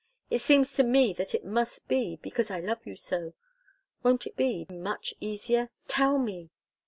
It seems to me that it must be, because I love you so! Won't it be much easier? Tell me!"